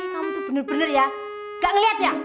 kamu itu bener bener ya gak ngeliat ya